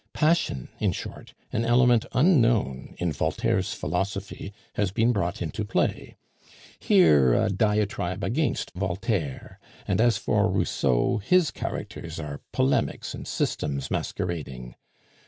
Passion, in short, an element unknown in Voltaire's philosophy, has been brought into play. Here a diatribe against Voltaire, and as for Rousseau, his characters are polemics and systems masquerading.